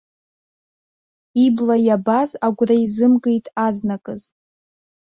Ибла иабаз агәра изымгеит азныказ.